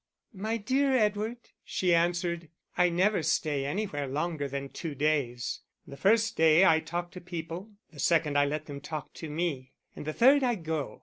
"My dear Edward," she answered, "I never stay anywhere longer than two days the first day I talk to people, the second I let them talk to me, and the third I go....